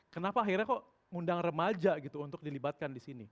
kenapa akhirnya kok ngundang remaja gitu untuk dilibatkan disini